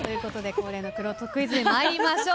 恒例のくろうとクイズに参りましょう。